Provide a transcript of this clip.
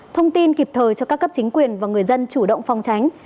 thông tin kịp thời cho các cấp chính quyền và người dân chủ động phòng tránh